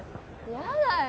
やだよ